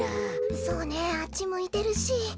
そうねあっちむいてるし。